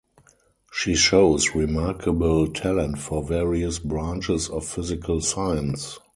She shows remarkable talent for various branches of physical science.